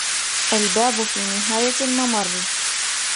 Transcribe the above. الباب في نهاية الممر.